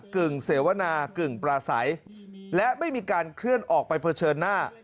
กึ่งเสวนากึ่งปลาใสและไม่มีการเคลื่อนออกไปเผชิญหน้า